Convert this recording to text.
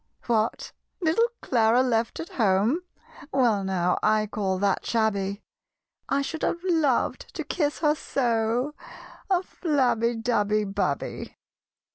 "What! little Clara left at home? Well now I call that shabby: I should have loved to kiss her so (A flabby, dabby, babby!)